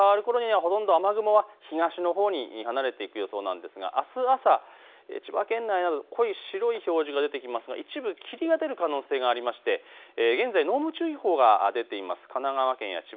日付が変わるころには雨雲、東のほうに離れていく予想なんですがあすは朝、千葉県内など濃い白い表示が出てきますが一部、霧が出る可能性がありまして現在、濃霧注意報が出ています。